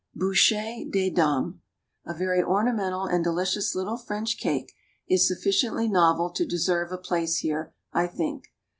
BOUCHÉES DES DAMES, a very ornamental and delicious little French cake, is sufficiently novel to deserve a place here, I think.